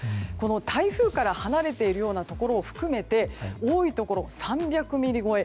台風から離れているようなところを含めて多いところは３００ミリ超え。